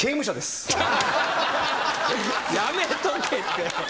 やめとけって。